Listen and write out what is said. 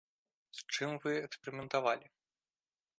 З чым вы эксперыментавалі?